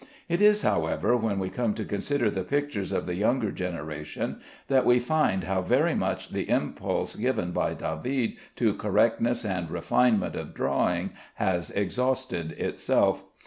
It is, however, when we come to consider the pictures of the younger generation that we find how very much the impulse given by David to correctness and refinement of drawing has exhausted itself.